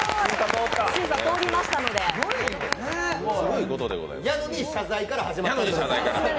すごいことでございます。